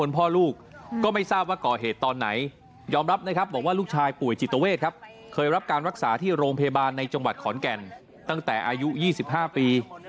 ไปรับการวักษาที่โรงพยาบาลในจังหวัดขอนแก่นตั้งแต่อายุ๒๕ปี